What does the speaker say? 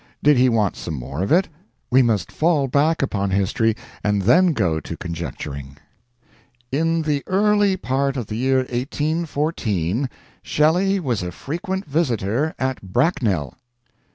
Did he want some more of it? We must fall back upon history, and then go to conjecturing. "In the early part of the year 1814, Shelley was a frequent visitor at Bracknell."